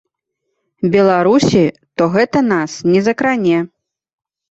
Беларусі, то гэта нас не закране.